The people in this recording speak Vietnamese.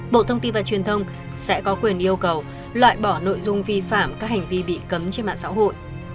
bộ thông tin và truyền thông sẽ có quyền yêu cầu loại bỏ nội dung vi phạm các hành vi bị cấm trên mạng xã hội